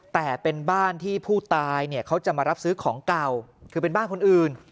แต่เป็นบ้านที่ผู้ตายเนี่ยเขาจะมารับซื้อของเก่าคือเป็นบ้านคนอื่น